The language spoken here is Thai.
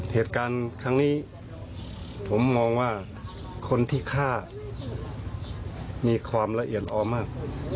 เหตุการณ์ครั้งนี้ผมมองว่าคนที่ฆ่ามีความละเอียดออมาก